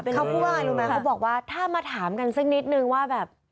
เธอบอกว่าถ้ามาถามกันซักนิดนึงว่าแบบ